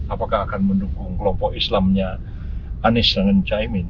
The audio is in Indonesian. apakah akan mendukung kelompok islamnya anies dengan caimin